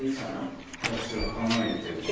墓参り行ったりとか。